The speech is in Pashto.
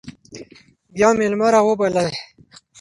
بیا میلمه راوبلئ.